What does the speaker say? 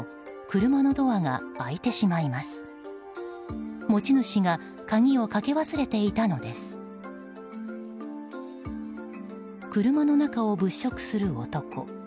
車の中を物色する男。